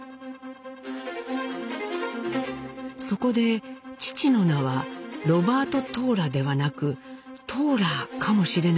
そこで父の名は「ロバート・トーラ」ではなく「トーラー」かもしれないと考え直します。